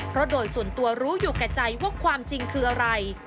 เพราะโดยส่วนตัวรู้อยู่แก่ใจว่าความจริงคืออะไร